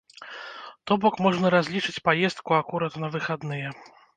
То бок, можна разлічыць паездку акурат на выхадныя.